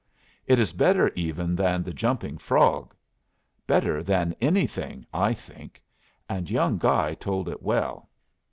It is better even than "The Jumping Frog" better than anything, I think and young Guy told it well.